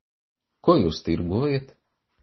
Ko jūs tirgojat?